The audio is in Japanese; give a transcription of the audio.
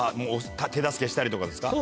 手助けしたりとかですか？